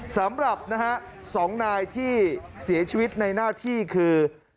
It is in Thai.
สำหรับนะฮะ๒นายที่เสียชีวิตในหน้าที่คือ